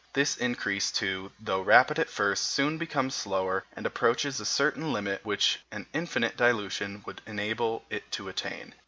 This increase, too, though rapid at first, soon becomes slower, and approaches a certain limit which an infinite dilution would enable it to attain.